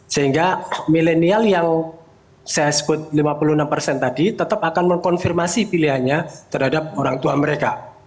sehingga milenial yang saya sebut lima puluh enam persen tadi tetap akan mengkonfirmasi pilihannya terhadap orang tua mereka